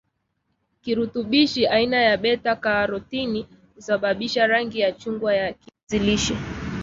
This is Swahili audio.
kirutubishi aina ya beta karotini husababisha rangi ya chungwa ya kiazi lishe